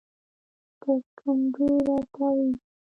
په کنډو راتاویږي